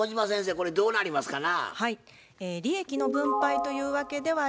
これどうなりますかな？